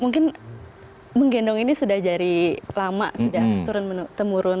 mungkin menggendong ini sudah dari lama sudah turun temurun